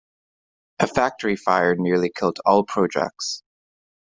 A factory fire nearly killed all projects.